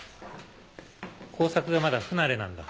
工作がまだ不慣れなんだ。